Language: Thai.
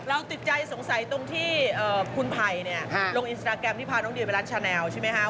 ติดใจสงสัยตรงที่คุณไผ่ลงอินสตราแกรมที่พาน้องดิวไปร้านชาแนลใช่ไหมคะ